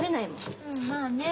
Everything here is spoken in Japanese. うんまあね。